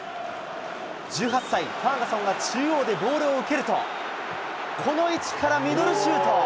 １８歳、ファーガソンが中央でボールを受けるとこの位置からミドルシュート。